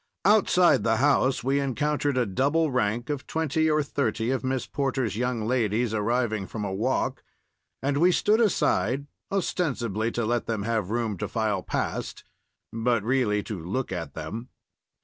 Outside the house we encountered a double rank of twenty or thirty of Miss Porter's young ladies arriving from a walk, and we stood aside, ostensibly to let them have room to file past, but really to look at them.